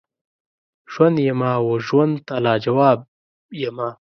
ژوند یمه وژوند ته لاجواب یمه